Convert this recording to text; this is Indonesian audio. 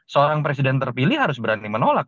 seorang presiden terpilih harus berani menolak